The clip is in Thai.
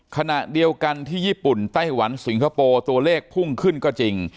ขณะเดียวกันที่ญี่ปุ่นไต้หวันสิงคโปร์ตัวเลขพุ่งขึ้นก็จริง